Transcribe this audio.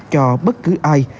cho bất cứ ai